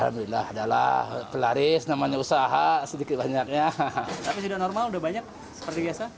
tapi sudah normal sudah banyak seperti biasa